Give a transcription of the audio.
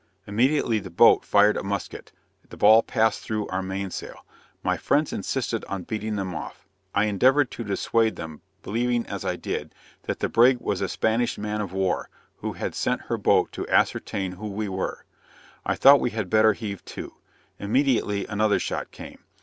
Immediately the boat fired a musket; the ball passed through our mainsail. My friends insisted on beating them off: I endeavored to dissuade them, believing, as I did, that the brig was a Spanish man of war, who had sent her boat to ascertain who we were. I thought we had better heave to. Immediately another shot came.